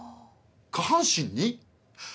下半身に？」。